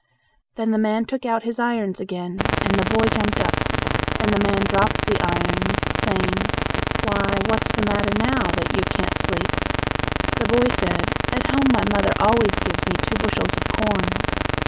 Then the man took out his irons again, and the boy jumped up, and the man dropped the irons, saying, "Why, what's the matter now that you can't sleep?" The boy said, "At home my mother always gave me two bushels of corn."